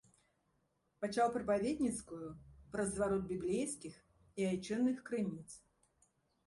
Пачаў прапаведніцкую праз зварот біблейскіх і айчынных крыніц.